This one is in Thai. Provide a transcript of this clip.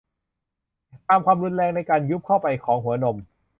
ตามความรุนแรงในการยุบเข้าไปของหัวนม